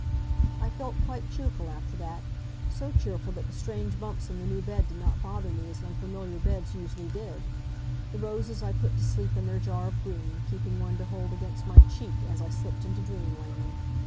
I felt quite cheerful after that so cheerful that the strange bumps in the new bed did not bother me as unfamiliar beds usually did. The roses I put to sleep in their jar of green, keeping one to hold against my cheek as I slipped into dreamland.